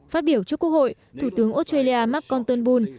phát biểu trước quốc hội thủ tướng australia mark conternbul